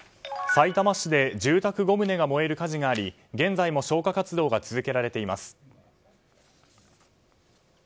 さいたま市で住宅５棟が燃える火事があり現在も消火活動が続けられています。